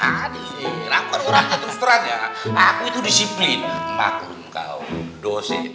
ada di sini aku itu disiplin maklum kau dosen